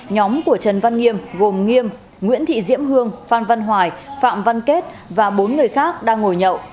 nhóm của trần văn nghiêm gồm nghiêm nguyễn thị diễm hương phan văn hoài phạm văn kết và bốn người khác đang ngồi nhậu